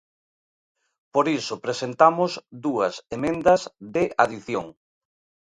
Por iso presentamos dúas emendas de adición.